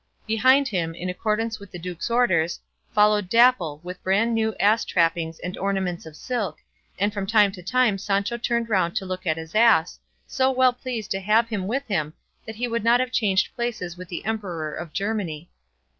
Behind him, in accordance with the duke's orders, followed Dapple with brand new ass trappings and ornaments of silk, and from time to time Sancho turned round to look at his ass, so well pleased to have him with him that he would not have changed places with the emperor of Germany.